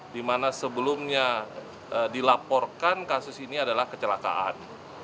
dimana sebelumnya dilaporkan kasus ini adalah kecelakaan